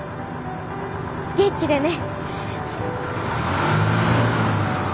元気でね。